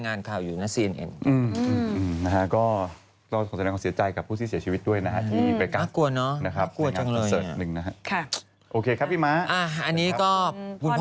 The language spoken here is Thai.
มากกว่าอย่างงี้ห้าสิบแล้วห้าสิบแล้วเหรออ่าเก็บประมาณสองร้อยเหรอ